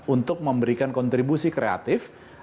untuk memberikan kontribusi kreatif